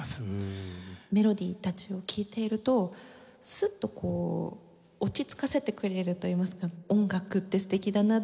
メロディーたちを聴いているとすっとこう落ち着かせてくれるといいますか音楽って素敵だな